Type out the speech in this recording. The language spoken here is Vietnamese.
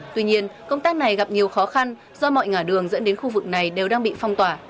tuy nhiên công tác này gặp nhiều khó khăn do mọi ngả đường dẫn đến khu vực này đều đang bị phong tỏa